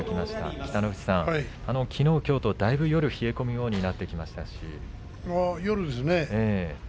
北の富士さん、きのう、きょうとずいぶん冷え込むようになりましたね。